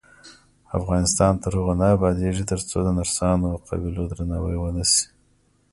افغانستان تر هغو نه ابادیږي، ترڅو د نرسانو او قابلو درناوی ونشي.